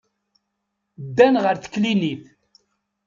Ddan ɣer teklinit.